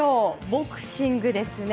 ボクシングですね。